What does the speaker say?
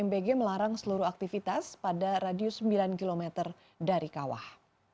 mbg melarang seluruh aktivitas pada radius sembilan km dari kawah